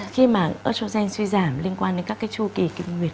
khi mà estrogen suy giảm liên quan đến các chu kỳ kinh nguyệt